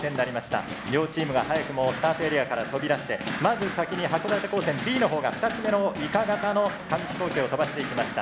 両チームが早くもスタートエリアから飛び出してまず先に函館高専Ｂのほうが２つ目のイカ型の紙飛行機を飛ばしていきました。